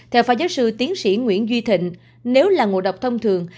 theo phó giáo sư tiến sĩ nguyễn duy thịnh nếu là ngộ độc thông thường